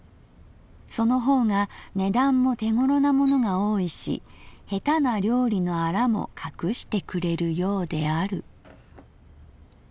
その方が値段も手ごろなものが多いし下手な料理のアラもかくしてくれるようである」。